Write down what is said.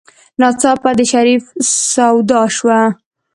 ناڅاپه د شريف سودا شوه.